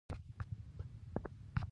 کلی هغه شان ويني چې ارزو یې کوي.